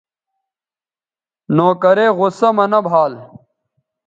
نوکرے غصہ مہ نہ بھال